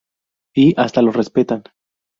Y hasta los respetan.